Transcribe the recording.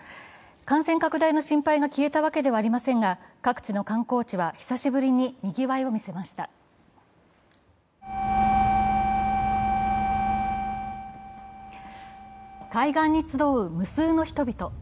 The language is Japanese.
感染拡大の心配が消えたわけではありませんが、各地の観光地は久しぶりに、にぎわいを見せました海岸集う無数の人々。